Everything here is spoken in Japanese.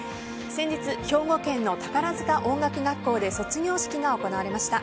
先日、兵庫県の宝塚音楽学校で卒業式が行われました。